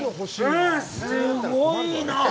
すごいなあ。